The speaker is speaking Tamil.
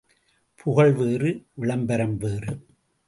புகழ் வேறு விளம்பரம் வேறு.